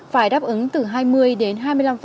phải đáp ứng từ hai mươi đến hai mươi năm